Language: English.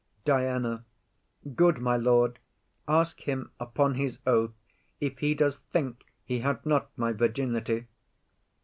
DIANA. Good my lord, Ask him upon his oath, if he does think He had not my virginity.